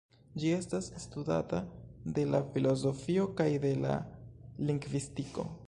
Ĝi estas studata de la filozofio kaj de la lingvistiko.